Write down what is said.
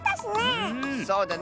そうだね。